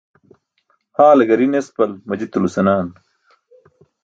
Haale gari nespal majitulo senaan.